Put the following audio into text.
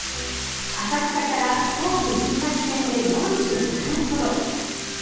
浅草から東武伊勢崎線で４５分ほど